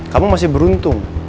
kamu masih beruntung